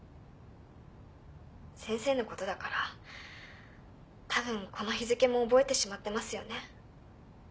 先生のことだから多分この日付も覚えてしまってますよね？